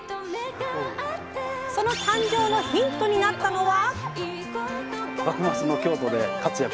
その誕生のヒントになったのは。